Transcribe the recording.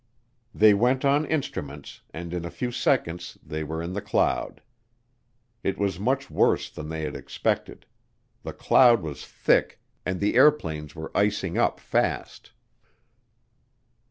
They went on instruments and in a few seconds they were in the cloud. It was much worse than they'd expected; the cloud was thick, and the airplanes were icing up fast.